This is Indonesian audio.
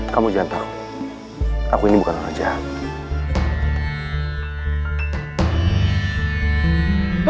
kamu jangan tahu kamu ini bukan orang jahat